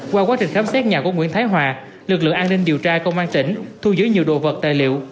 qua quá trình khám xét nhà của nguyễn thái hòa lực lượng an ninh điều tra công an tỉnh thu giữ nhiều đồ vật tài liệu